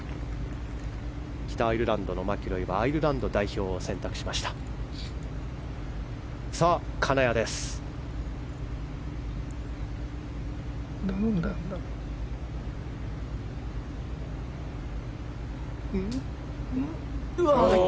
北アイルランドのマキロイはアイルランド代表を選択しました。